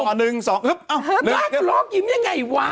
หน้าก็ร้องยิ้มยังไงวะ